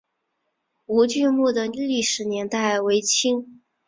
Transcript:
吴郡墓的历史年代为清。